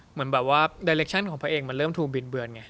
เหมือนแบบว่าดาเล็กชั่นของพระเองมันเริ่มถูกบิดเบือนไง